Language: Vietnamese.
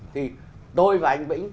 thì tôi và anh vĩnh